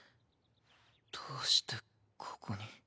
どうしてここに？